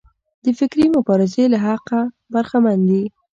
د فکري مبارزې له حقه برخمن دي.